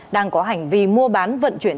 đang có hành vi mua bán vận chuyển